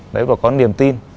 để có niềm tin